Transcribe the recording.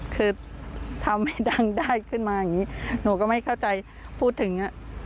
คือทำให้ดังได้ขึ้นมาอย่างนี้หนูก็ไม่เข้าใจพูดถึง